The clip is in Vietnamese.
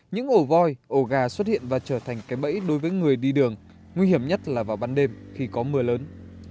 những ổ voi ổ gà xuất hiện và trở thành cái bẫy đối với người đi đường nguy hiểm nhất là vào ban đêm khi có mưa lớn